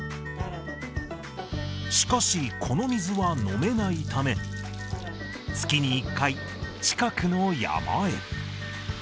しかし、この水は飲めないため、月に１回、近くの山へ。